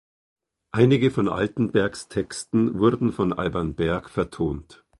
Einige von Altenbergs Texten wurden von Alban Berg vertont.